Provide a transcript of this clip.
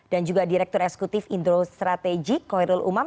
dan juga direktur eksekutif indo strategik khoirul umam